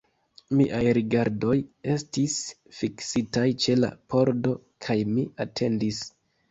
Miaj rigardoj estis fiksitaj ĉe la pordo, kaj mi atendis.